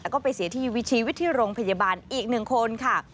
แล้วก็ไปเสียทีวิชีวิทย์ที่โรงพยาบาลอีก๑คนค่ะ